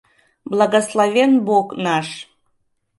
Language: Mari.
«Благословен бог наш...»